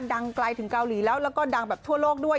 ดังไกลถึงเกาหลีแล้วแล้วก็ดังแบบทั่วโลกด้วย